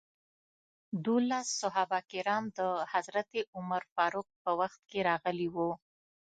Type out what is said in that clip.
دولس صحابه کرام د حضرت عمر فاروق په وخت کې راغلي وو.